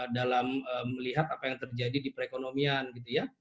dalam melihat apa yang terjadi di perekonomian gitu ya